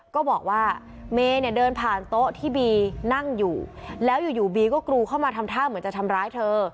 ก็บอกว่าเมย์เนี่ยเดินผ่านโต๊ะที่บีนั่งอยู่แล้วอยู่บีก็กรูเข้ามาทำท่าเหมือนจะทำร้ายเธอ